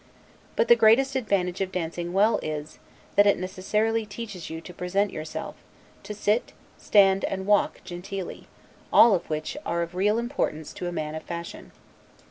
But the greatest advantage of dancing well is, that it necessarily teaches you to present yourself, to sit, stand, and walk, genteelly; all of which are of real importance to a man of fashion.